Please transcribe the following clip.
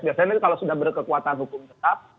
biasanya kalau sudah berkekuatan hukum tetap